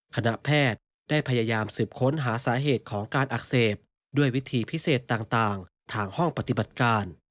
คณะแพทย์ได้พยายามสืบค้นหาสาเหตุของการอักเสบด้วยวิธีพิเศษต่างทางห้องปฏิบัติการ